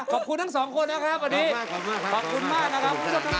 อ่ะขอบคุณทั้งสองคนแล้วครับวันนี้ขอบคุณมากครับคุณผู้ชมทั้งบ้าน